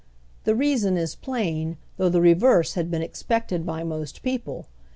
The reason is plain, though the reverse had been expected by most people.